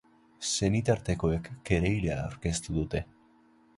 Senitartekoek kereila aurkeztu dute.